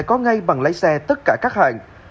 sẽ có ngay bằng lái xe tất cả các hạn